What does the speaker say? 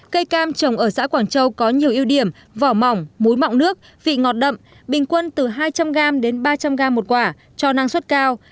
cây cam trồng ở xã quảng châu có nhiều ưu điểm vỏ mỏng múi mọng nước vị ngọt đậm bình quân từ hai trăm linh gram đến ba trăm linh gram một quả cho năng suất cao